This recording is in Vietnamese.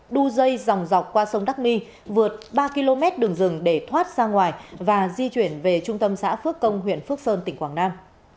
đu dây dòng dọc qua sông đắk my vượt ba km đường rừng để thoát ra ngoài và di chuyển về trung tâm xã phước công huyện phước sơn tỉnh quảng nam